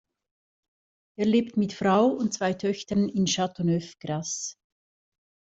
Er lebt mit Frau und zwei Töchtern in Châteauneuf-Grasse.